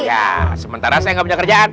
iya sementara saya nggak punya kerjaan